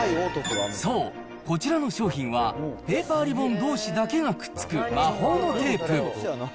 そう、こちらの商品は、ペーパーリボンどうしだけがくっつく魔法のテープ。